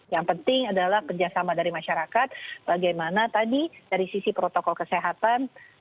yang penting adalah kerjasama dari masyarakat bagaimana tadi dari sisi protokol kesehatan